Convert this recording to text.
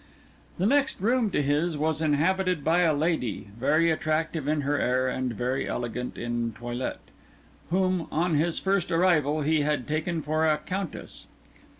The next room to his was inhabited by a lady, very attractive in her air and very elegant in toilette, whom, on his first arrival, he had taken for a Countess.